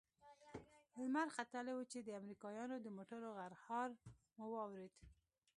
لمر ختلى و چې د امريکايانو د موټرو غرهار مو واورېد.